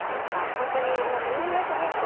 本当にもういろんな主人公